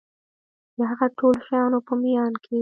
د هغه ټولو شیانو په میان کي